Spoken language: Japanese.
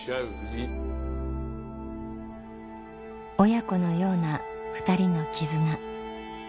親子のような２人の絆